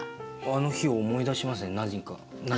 あの日を思い出しますねなぜか。